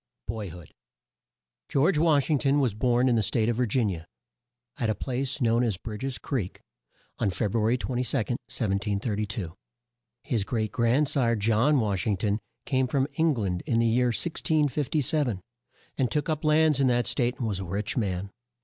BOY HOOD. George Wash ing ton was born in the State of Vir gin i a, at a place known as Bridg es Creek, on Feb ru a ry 22, 1732. His great grand sire, John Wash ing ton, came from Eng land in the year 1657, and took up lands in that state and was a rich man.